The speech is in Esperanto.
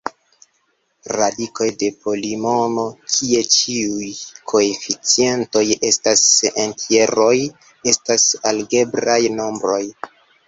Radikoj de polinomo, kies ĉiuj koeficientoj estas entjeroj, estas algebraj nombroj.